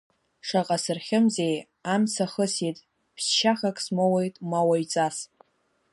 Шаҟа сырхьымӡеи, амца ахысит, ԥсшьахак смоуит ма уаҩҵас.